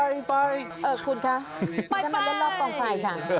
เออคุณคะไป